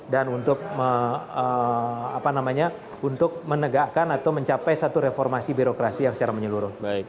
dan untuk menegakkan atau mencapai satu reformasi birokrasi yang secara menyeluruh